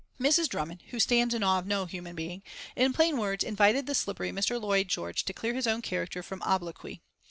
Mrs. Drummond, who stands in awe of no human being, in plain words invited the slippery Mr. Lloyd George to clear his own character from obloquy.